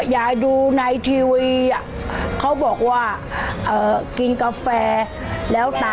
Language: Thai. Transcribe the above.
ยายดูในทีวีเขาบอกว่ากินกาแฟแล้วตา